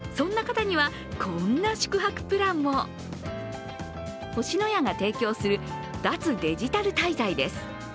そんな方には、こんな宿泊プランも星のやが提供する脱デジタル滞在です。